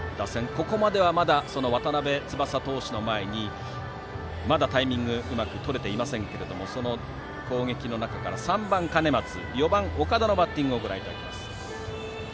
ここまではまだ渡邉翼投手の前にまだタイミングをうまくとれていませんがその攻撃の中から３番の兼松、４番の岡田のバッティングをご覧いただきます。